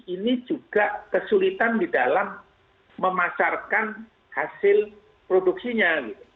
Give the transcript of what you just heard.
ini juga kesulitan di dalam memasarkan hasil produksinya